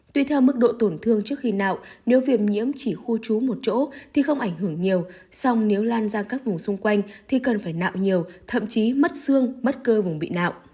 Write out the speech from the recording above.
tuy theo mức độ tổn thương trước khi nào nếu viêm nhiễm chỉ khu trú một chỗ thì không ảnh hưởng nhiều song nếu lan ra các vùng xung quanh thì cần phải nạo nhiều thậm chí mất xương mất cơ vùng bị nặng